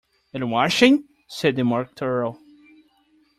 ‘And washing?’ said the Mock Turtle.